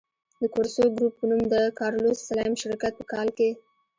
د کورسو ګروپ په نوم د کارلوس سلایم شرکت په کال کې.